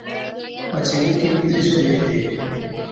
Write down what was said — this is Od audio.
پڇي مُکِي مِترِي سوڌي ڇَي